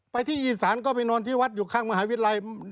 ที่อีสานก็ไปนอนที่วัดอยู่ข้างมหาวิทยาลัย